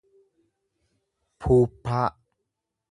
puuppaa